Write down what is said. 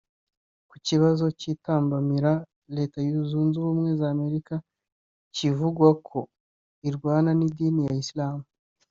Ku kibazo cy’intambara Leta Zunze Ubumwe z’Amerika bivugwa ko irwana n’idini y’abayisiramu